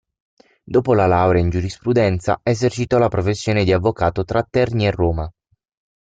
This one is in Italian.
Dopo la laurea in giurisprudenza, esercitò la professione di avvocato tra Terni e Roma.